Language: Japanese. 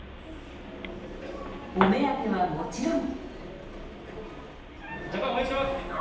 お目当ては、もちろん。